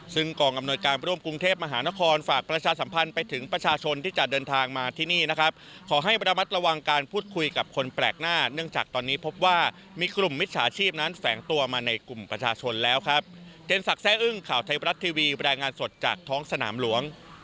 ซึ่งคนที่จะได้ประสิทธิพิเศษนี้จะต้องเดินทางมาขอไว้รับรองสุขภาพจากแพทยศภาซึ่งตั้งเต้นอยู่บริเวณตรงกลางสนามหลวงนะครับ